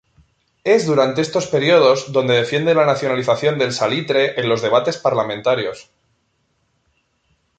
Es durante estos periodos donde defiende la nacionalización del salitre en los debates parlamentarios.